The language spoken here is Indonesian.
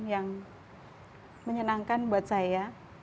yang menyenangkan buat saya